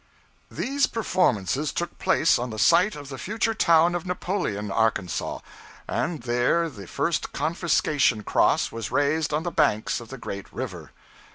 These performances took place on the site of the future town of Napoleon, Arkansas, and there the first confiscation cross was raised on the banks of the great river.